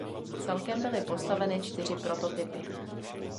Celkem byly postaveny čtyři prototypy.